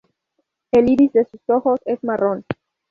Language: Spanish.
El iris de sus ojos es marrón.